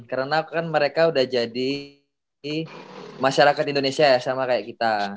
karena kan mereka udah jadi masyarakat indonesia ya sama kayak kita